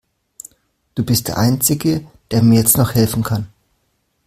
Du bist der einzige, der mir jetzt noch helfen kann.